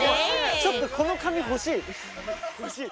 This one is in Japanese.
ちょっとこの紙欲しい。